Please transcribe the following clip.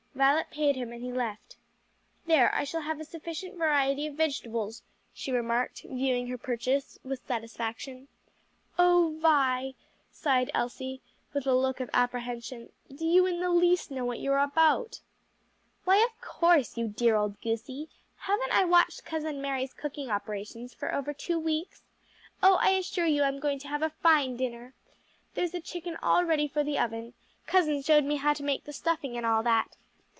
Violet paid him and he left. "There, I shall have a sufficient variety of vegetables," she remarked, viewing her purchase with satisfaction. "O Vi," sighed Elsie, with a look of apprehension, "do you in the least know what you are about?" "Why of course, you dear old goosie! haven't I watched Cousin Mary's cooking operations for over two weeks? Oh I assure you I'm going to have a fine dinner! There's a chicken all ready for the oven cousin showed me how to make the stuffing and all that.